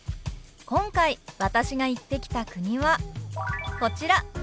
今回私が行ってきた国はこちら。